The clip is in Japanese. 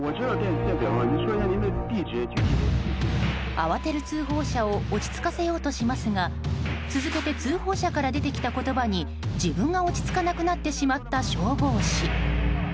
慌てる通報者を落ち着かせようとしますが続けて通報者から出てきた言葉に自分が落ち着かなくなってしまった消防士。